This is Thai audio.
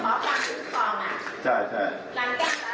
ลักษณแห่งเพลิงคะ